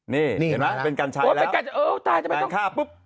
นี่เห็นไหมเป็นกันชัยแล้วเออตายจะไม่ต้อง